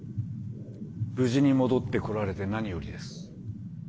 無事に戻ってこられて何よりです。